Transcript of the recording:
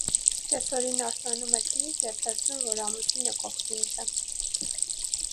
Կեսօրին արթնանում է քնից և տեսնում, որ ամուսինը կողքին չէ։